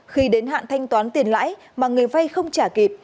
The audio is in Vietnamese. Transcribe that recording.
khi đến hạn thanh toán tiền lãi mà người vay không trả kịp